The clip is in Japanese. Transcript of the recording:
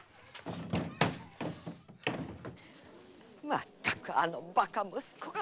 まったくあのバカ息子が！